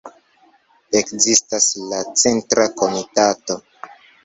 Ekzistas la Centra Komitato.